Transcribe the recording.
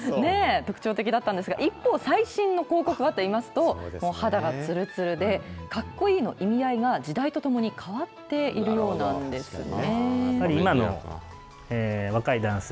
一方、最新の広告はといいますと、肌がつるつるで、かっこいいの意味合いが時代とともに変わっているようなんですね。